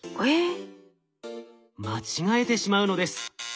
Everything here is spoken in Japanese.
間違えてしまうのです。